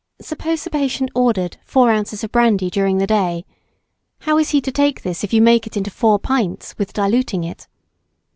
Suppose a patient ordered 4 oz. brandy during the day, how is he to take this if you make it into four pints with diluting it?